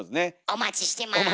お待ちしてます。